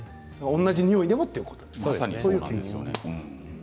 同じ匂いでもということなんですね。